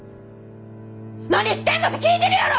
何してんのか聞いてるやろ！